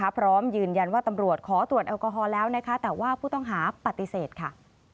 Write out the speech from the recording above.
พร้อมยืนยันว่าตำรวจขอตรวจแอลกอฮอล์แล้วนะคะแต่ว่าผู้ต้องหาปฏิเสธค่ะ